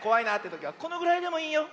ときはこのぐらいでもいいよ。